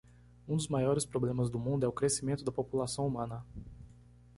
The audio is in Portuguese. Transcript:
Um dos maiores problemas do mundo é o crescimento da população humana.